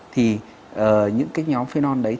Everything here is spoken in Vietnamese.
thì những cái nhóm phenol đấy